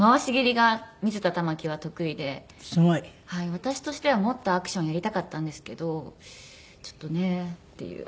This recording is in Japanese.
私としてはもっとアクションやりたかったんですけどちょっとねっていう。